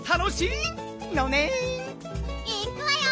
いくわよ！